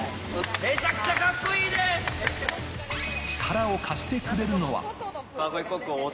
力を貸してくれるのは。